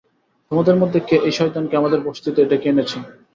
তোমাদের মধ্যে কে এই শয়তানকে আমাদের বসতিতে ডেকে এনেছো?